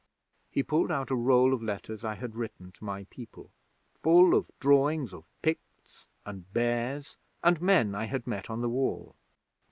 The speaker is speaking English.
He pulled out a roll of letters I had written to my people, full of drawings of Picts, and bears, and men I had met on the Wall.